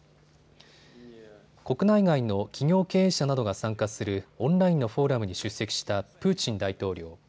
国内外の企業経営者などが参加するオンラインのフォーラムに出席したプーチン大統領。